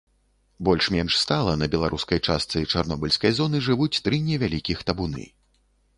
Больш-менш стала на беларускай частцы чарнобыльскай зоны жывуць тры невялікіх табуны.